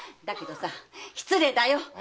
だけど失礼だよ。